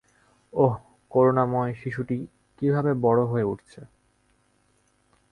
ওহ, করুণাময়, শিশুটি কিভাবে বড় হয়ে উঠেছে।